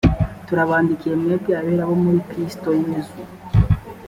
turabandikiye mwebwe abera bo muri kristo yesu